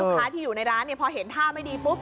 ค้าที่อยู่ในร้านพอเห็นท่าไม่ดีปุ๊บ